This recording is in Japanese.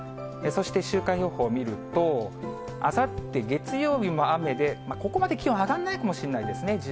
そして、週間予報を見ると、あさって月曜日も雨で、ここまで気温上がらないかもしれないですね。